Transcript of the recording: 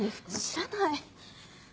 知らない。